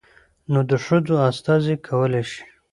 نود ښځو استازي کولى شي.